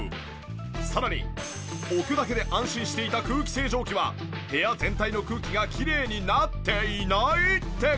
さらに置くだけで安心していた空気清浄機は部屋全体の空気がきれいになっていない！？って事も。